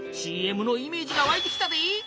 ＣＭのイメージがわいてきたで！